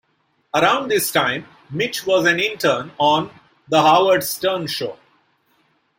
Around this time Mitch was an intern on "The Howard Stern Show".